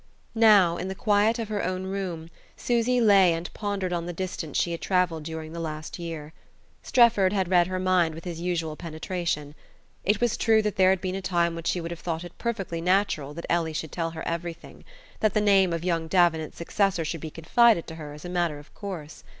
Now, in the quiet of her own room, Susy lay and pondered on the distance she had travelled during the last year. Strefford had read her mind with his usual penetration. It was true that there had been a time when she would have thought it perfectly natural that Ellie should tell her everything; that the name of young Davenant's successor should be confided to her as a matter of course.